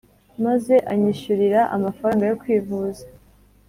maze anyishyurira amafaranga yo kwivuza